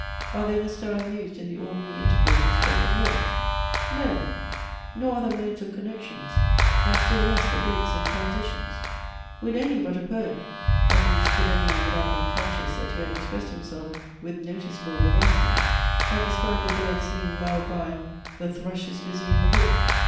Are they the style used in the ordinary intercourse of spoken words? No! nor are the modes of connections; and still less the breaks and transitions. Would any but a poet at least could any one without being conscious that he had expressed himself with noticeable vivacity have described a bird singing loud by, "The thrush is busy in the wood?"